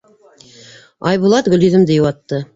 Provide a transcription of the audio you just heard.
Айбулат Гөлйөҙөмдө йыуатты: